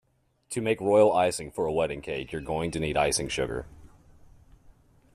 To make royal icing for a wedding cake you’re going to need icing sugar